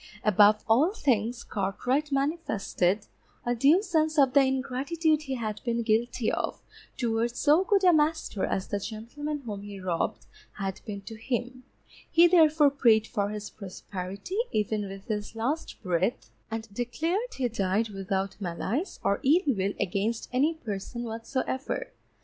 Above all things Cartwright manifested a due sense of the ingratitude he had been guilty of towards so good a master as the gentleman whom he robbed had been to him, he therefore prayed for his prosperity, even with his last breath, and declared he died without malice or ill will against any person whatsoever.